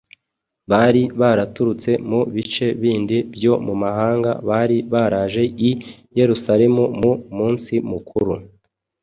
bari baraturutse mu bice bindi byo mu mahanga bari baraje i Yerusalemu mu munsi mukuru